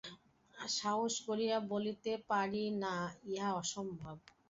সাহস করিয়া বলিতে পারি না, ইহা অসম্ভব।